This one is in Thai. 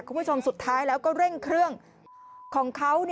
คุณผู้ชมสุดท้ายแล้วก็เร่งเครื่องของเขา